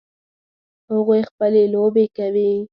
هغوی خپلې لوبې کوي